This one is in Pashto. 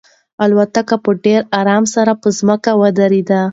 الوتکه په ډېر ارام سره په ځمکه ودرېده.